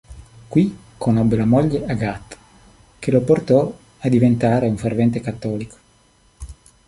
Qui conobbe la moglie Agathe, che lo portò a divenire un fervente cattolico.